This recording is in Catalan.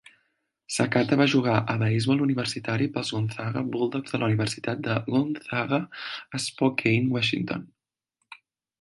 Sakata va jugar a beisbol universitari pels Gonzaga Bulldogs de la Universitat de Gonzaga a Spokane, Washington.